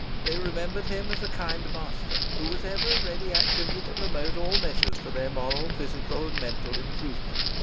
They remembered him as a kind master, who was ever ready actively to promote all measures for their moral, physical, and mental improvement.